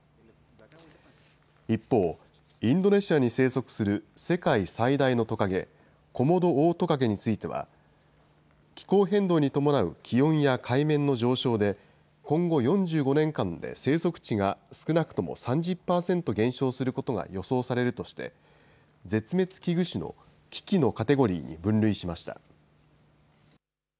一方、インドネシアに生息する世界最大のトカゲ、コモドオオトカゲについては、気候変動に伴う気温や海面の上昇で、今後４５年間で生息地が少なくとも３０％減少することが予想されるとして、絶滅危惧種の危機のカテゴリーに分類しました。